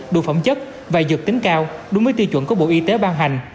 đủ phẩm chất và dược tính cao đúng với tiêu chuẩn của bộ y tế ban hành